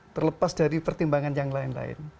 terlepas dari pertimbangan yang lain lain